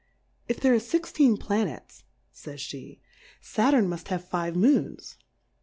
If there are fixteen VhnetSy fays JI;e^ Saturn muft have five Moons.